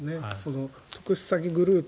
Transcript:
特殊詐欺グループ